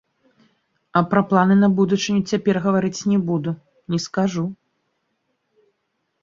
А пра планы на будучыню цяпер гаварыць не буду, не скажу.